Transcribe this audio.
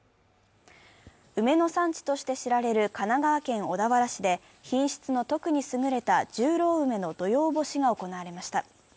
梅の産地として知られる神奈川県小田原市で、品質の特に優れた十郎梅の土用干しが行われました。